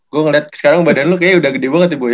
gue ngeliat sekarang badan lu kayaknya udah gede banget ya bu ya